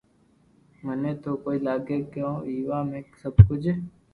مني تو ڪوئي لاگي ڪو ويووا ۾ سب ڪجھ